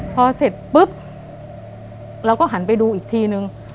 พอเสร็จปุ๊บเราก็หันไปดูอีกทีนึง